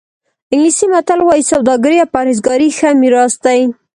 انګلیسي متل وایي سوداګري او پرهېزګاري ښه میراث دی.